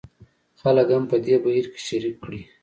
خلک هم په دې بهیر کې شریک کړي.